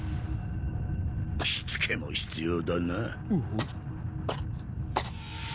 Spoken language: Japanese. しつけも必要だな。